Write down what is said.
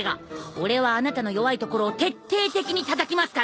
俺はあなたの弱いところを徹底的にたたきますから！